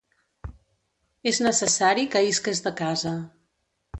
És necessari que isques de casa.